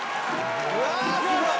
うわすごい。